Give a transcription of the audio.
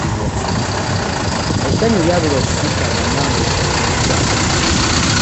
Essanyu lyabula okututta nga Nambuusi akkiriza okunfumbirwa.